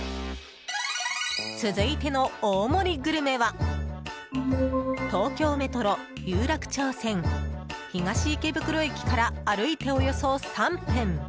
続いての大盛りグルメは東京メトロ有楽町線東池袋駅から歩いて、およそ３分。